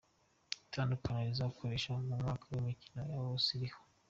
itandukanye izakoresha mu mwaka w’imikino wa yose iriho